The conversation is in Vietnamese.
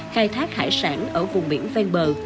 khai thác hải sản ở vùng biển ven bờ